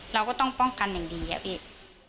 เราก็ต้องป้องกันอย่างดีอะพี่